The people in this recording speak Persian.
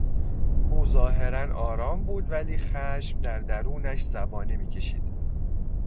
او ظاهرا آرام بود ولی خشم در درونش زبانه میکشید.